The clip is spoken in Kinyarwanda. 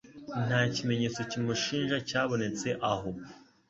Nta kimenyetso kimushinja cyabonetse aho.